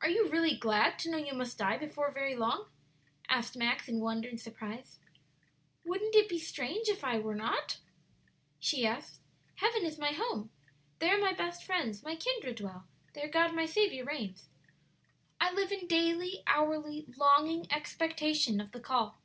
"Are you really glad to know you must die before very long?" asked Max, in wonder and surprise. "Wouldn't it be strange if I were not?" she asked; "heaven is my home. "'There my best friends, my kindred dwell, There God my Saviour reigns.' "I live in daily, hourly longing expectation of the call."